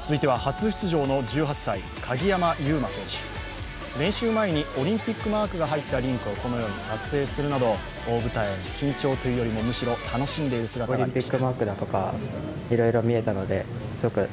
続いては、初出場の１８歳、鍵山優真選手練習前にオリンピックマークが入ったリンクをこのように撮影するなど大舞台への緊張というよりもむしろ楽しんでいる姿が見られました。